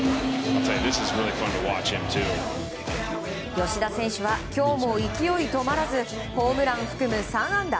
吉田選手は今日も勢い止まらずホームランを含む３安打。